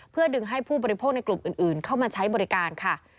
เพื่อดึงให้ผู้บริโภคในกลุ่มอื่นเข้ามาใช้บริการค่ะ